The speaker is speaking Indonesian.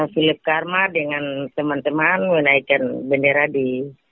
philip karma dengan teman teman menaikkan bendera di